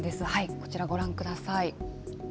こちら、ご覧ください。